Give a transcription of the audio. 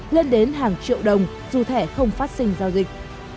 lên đến hàng triệu đồng dù thẻ không phát sinh giao dịch